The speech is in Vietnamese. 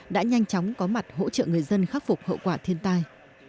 đã nhanh chóng có mặt hỗ trợ người dân khắc phục hậu quả thiên tai